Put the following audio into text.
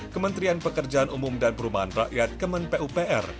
kementerian pekerjaan umum dan perumahan rakyat kemen pupr